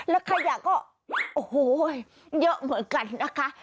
และขยะก็เยอะเหมือนกันนะคะ